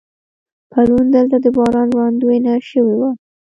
پرون دلته د باران وړاندوینه شوې وه.